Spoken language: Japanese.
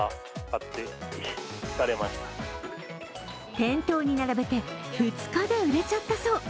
店頭に並べて２日で売れちゃったそう。